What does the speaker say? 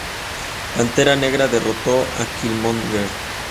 Pantera Negra derrotó a Killmonger.